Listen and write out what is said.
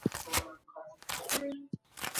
موږ به سبا په دې وخت کي پر لاره یو.